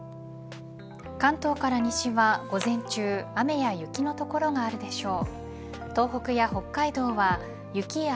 関東から西は午前中雨や雪の所があるでしょう。